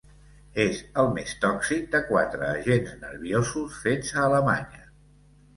És el més tòxic de quatre agents nerviosos fets a Alemanya.